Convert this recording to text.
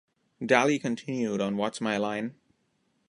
Daly continued on What's My Line?